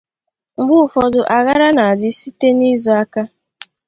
Mgbe ụfọdụ aghara na-adị site n’ịzọ aka